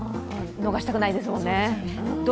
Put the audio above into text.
逃したくないですもんね。